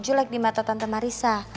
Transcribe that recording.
jelek di mata tante marisa